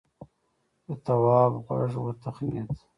د تواب غوږ وتخڼېد.